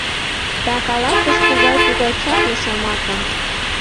Да каласыш кувай тугай чапле шомакым